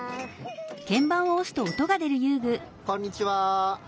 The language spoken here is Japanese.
こんにちは。